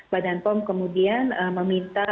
badan pom kemudian meminta